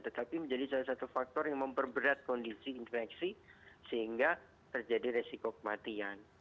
tetapi menjadi salah satu faktor yang memperberat kondisi infeksi sehingga terjadi resiko kematian